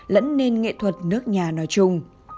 lẫn nên nghệ thuật nước nhà nói chung